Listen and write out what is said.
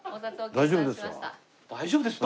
大丈夫ですか？